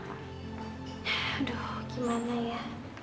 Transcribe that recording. aduh gimana ya